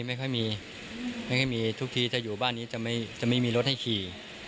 ไม่แค่มีทุกทีถ้าอยู่บ้านนี้จะไม่มีรถให้ขี่